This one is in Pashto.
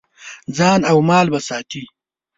ځان او مال به ساتې.